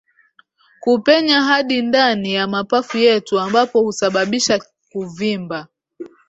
kupenya hadi ndani ya mapafu yetu ambapo husababisha kuvimba